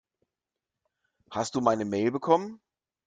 Hast du meine Mail bekommen?